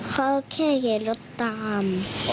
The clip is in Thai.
เขาแค่เห็นรถตาม